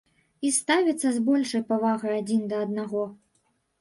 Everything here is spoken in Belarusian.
І ставіцца з большай павагай адзін да аднаго.